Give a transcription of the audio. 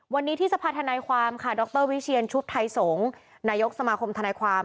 วันนี้ที่สภาธนายความค่ะดรวิเชียนชุดไทยสงฆ์นายกสมาคมธนายความ